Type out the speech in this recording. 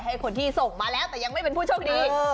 ให้คนที่ส่งมาแล้วแต่ยังไม่เป็นผู้โชคดี